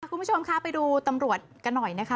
คุณผู้ชมคะไปดูตำรวจกันหน่อยนะคะ